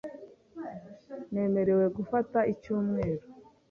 Nemerewe gufata icyumweru .